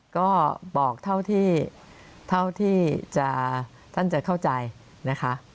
ก็บอกเท่าที่ท่านจะเข้าใจนะคะ